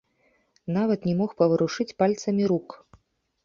Нават не мог паварушыць пальцамі рук.